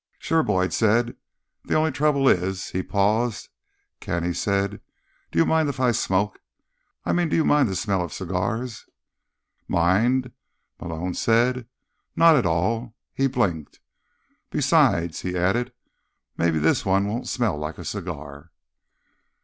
"Sure," Boyd said. "The only trouble is—" He paused. "Ken," he said, "do you mind if I smoke? I mean, do you mind the smell of cigars?" "Mind?" Malone said. "Not at all." He blinked. "Besides," he added, "maybe this one won't smell like a cigar."